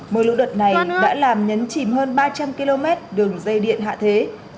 mưa lũ đợt này đã làm nhấn chìm hơn ba trăm linh km đường dây điện hạ thế